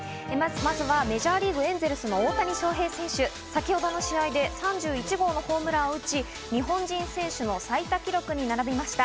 まずはメジャーリーグ・エンゼルスの大谷翔平選手、先ほどの試合で３１号のホームランを打ち、日本人選手の最多記録に並びました。